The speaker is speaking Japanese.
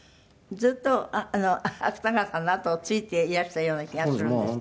ずっと芥川さんのあとをついていらしたような気がするんですって？